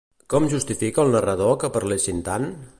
Com justifica el narrador que parlessin tant?